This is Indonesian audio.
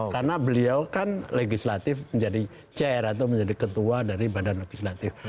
karena beliau kan legislatif menjadi chair atau menjadi ketua dari badan legislatif